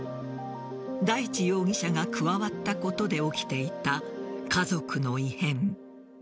大地容疑者が加わったことで起きていた家族の異変。